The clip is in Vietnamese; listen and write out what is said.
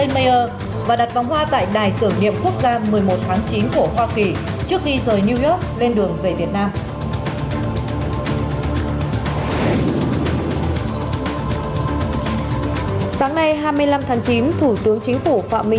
hôm nay hai mươi năm tháng chín thủ tướng chính phủ phạm minh chính đã chủ trì cuộc họp trực tuyến toàn quốc về công tác phòng chống dịch covid một mươi chín